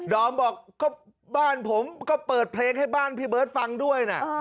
อมบอกก็บ้านผมก็เปิดเพลงให้บ้านพี่เบิร์ตฟังด้วยนะ